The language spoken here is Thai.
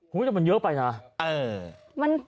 มันเยอะไปนะ